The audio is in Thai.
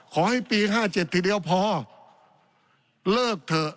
ขอให้ปี๕๗ทีเดียวพอเลิกเถอะ